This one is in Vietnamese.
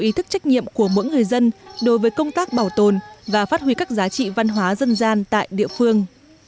ý thức trách nhiệm của mỗi người dân đối với công tác bảo tồn và phát huy các giá trị văn hóa dân gian tại địa phương